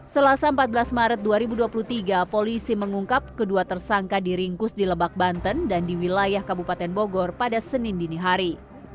selasa empat belas maret dua ribu dua puluh tiga polisi mengungkap kedua tersangka diringkus di lebak banten dan di wilayah kabupaten bogor pada senin dinihari